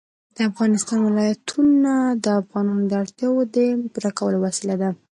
د افغانستان ولايتونه د افغانانو د اړتیاوو د پوره کولو وسیله ده.